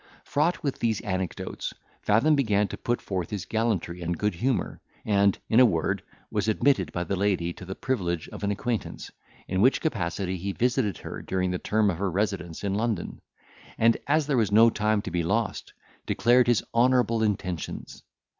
Fraught with these anecdotes, Fathom began to put forth his gallantry and good humour, and, in a word, was admitted by the lady to the privilege of an acquaintance, in which capacity he visited her during the term of her residence in London; and, as there was no time to be lost, declared his honourable intentions.